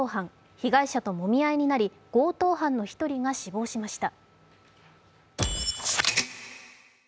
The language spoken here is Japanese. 被害者ともみ合いになり、強盗犯の１人が死亡しました。